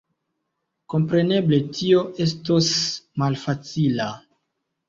Kompreneble tio estos malfacila.